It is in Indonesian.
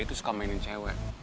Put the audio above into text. dia tuh suka mainin cewek